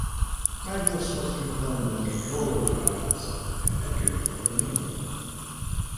Magnus was confirmed in control of the Isles and Edgar of the mainland.